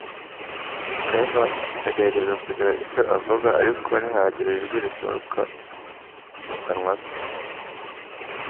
Kayafa agerageza kugira icyo avuga, ariko ntihagira ijwi risohoka mu kanwa ke.